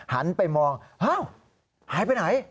หันไปมองอ้าวหายไปไหน